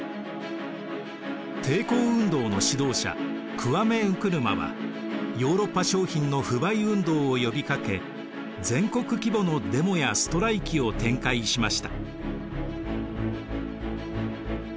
抵抗運動の指導者クワメ・ンクルマはヨーロッパ商品の不買運動を呼びかけ全国規模のデモやストライキを展開しました。